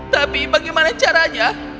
tapi bagaimana caranya